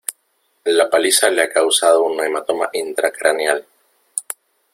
la paliza le ha causado un hematoma intracraneal.